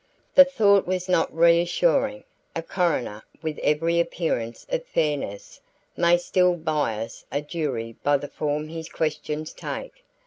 The thought was not reassuring; a coroner, with every appearance of fairness, may still bias a jury by the form his questions take.